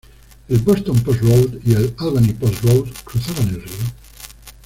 El Boston Post Road y el Albany Post Road cruzaban el río.